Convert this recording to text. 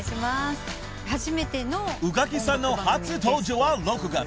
［宇垣さんの初登場は６月。